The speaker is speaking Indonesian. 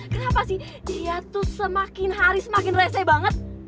kenapa sih dia tuh semakin hari semakin reseh banget